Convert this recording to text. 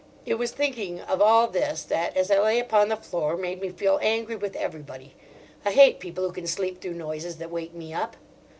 It was thinking of all this that, as I lay upon the floor, made me feel angry with everybody. I hate people who can sleep through noises that wake me up.